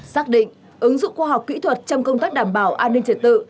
xác định ứng dụng khoa học kỹ thuật trong công tác đảm bảo an ninh trật tự